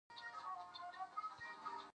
تر دې چې سږ کال له ما څخه وغوښتل شول